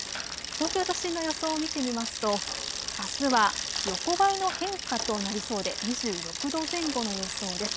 東京都心の予想を見てみますとあすは横ばいの変化となりそうで２６度前後の予想です。